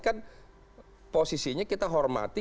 kan posisinya kita hormati